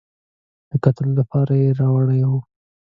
د کتلو لپاره یې راوړې وه.